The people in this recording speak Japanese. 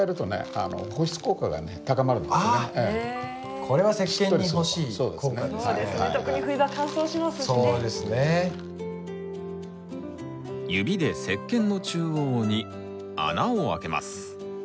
指で石けんの中央に穴をあけます。